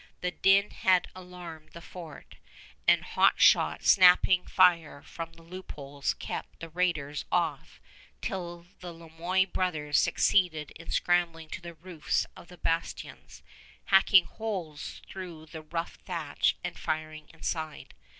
The din had alarmed the fort, and hot shot snapping fire from the loopholes kept the raiders off till the Le Moyne brothers succeeded in scrambling to the roofs of the bastions, hacking holes through the rough thatch and firing inside.